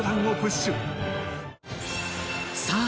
さあ